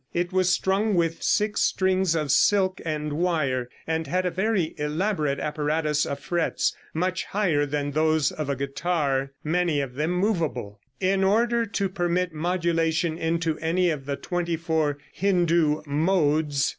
It was strung with six strings of silk and wire, and had a very elaborate apparatus of frets, much higher than those of a guitar, many of them movable, in order to permit modulation into any of the twenty four Hindoo "modes."